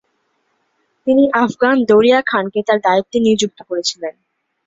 তিনি আফগান দরিয়া খানকে তার দায়িত্বে নিযুক্ত করেছিলেন।